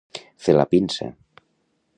Fer la pinça.